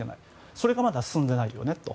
それがまだ進んでいないと。